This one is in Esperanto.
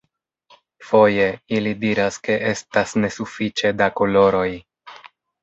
Foje, ili diras ke estas nesufiĉe da koloroj.